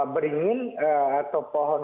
beringin atau pohon